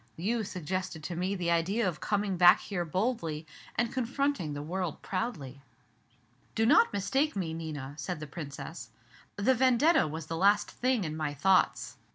You suggested to me the idea of coming back here boldly, and confronting the world proudly." "Do not mistake me, Nina," said the Princess, "the 'Vendetta' was the last thing in my thoughts.